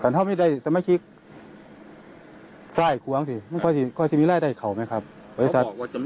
มั่นเงินมาในสมัครชีพสนับสนิทได้เท่าไหร่กี่เปอร์เซ็นต์เขาบอกว่า